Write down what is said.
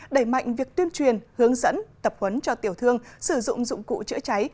đẩy mạnh việc tuyên truyền hướng dẫn tập huấn cho tiểu thương sử dụng dụng cụ chữa cháy